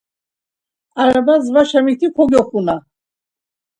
Arabas vaşa miti kogyoxuna!